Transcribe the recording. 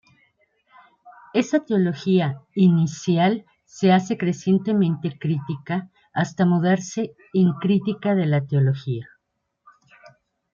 Esa teología inicial se hace crecientemente crítica hasta mudarse en crítica de la teología.